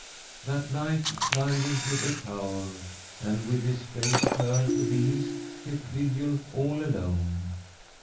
"That night he climbed into the tower, and, with his face turned to the east, kept vigil all alone.